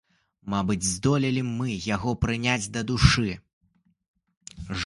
Мабыць, здолелі мы яго прыняць да душы.